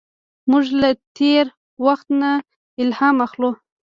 موږ له تېر وخت نه الهام اخلو.